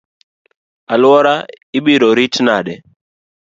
Aluora ibiro rit nade?